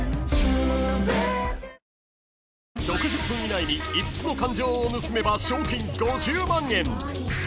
［６０分以内に５つの感情を盗めば賞金５０万円］